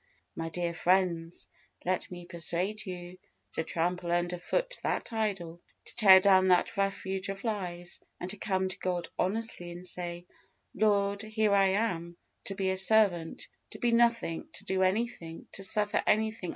My dear friends, let me persuade you to trample under foot that idol, to tear down that refuge of lies, and to come to God honestly, and say, "Lord, here I am, to be a servant, to be nothing, to do anything, to suffer anything.